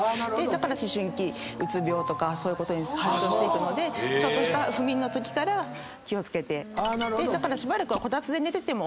だから思春期うつ病とかそういうことに発症していくのでちょっとした不眠のときから気を付けてだからしばらくはこたつで寝ててもＯＫ。